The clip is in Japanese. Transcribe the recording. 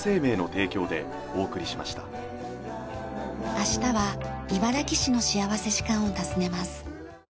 明日は茨木市の幸福時間を訪ねます。